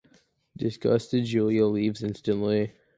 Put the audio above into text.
Disgusted, Julia leaves instantly.